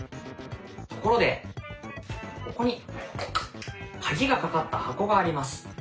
ところでここに鍵がかかった箱があります。